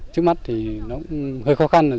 trước mắt thì nó cũng hơi khó khăn